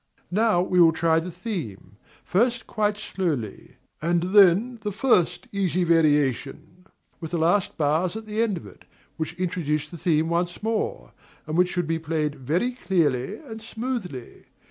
Now we will try the theme, first quite slowly; and then the first easy variation, with the last bars at the end of it, which introduce the theme once more, and which should be played very clearly and smoothly.